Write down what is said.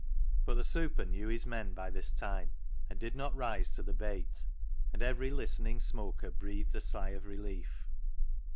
But the " super " knew his men by this time, and did not rise to the bait, and every listening smoker breathed a sigh of relief.